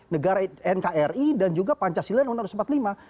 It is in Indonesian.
negara nkri dan juga pancasila dan undang undang dasar empat puluh lima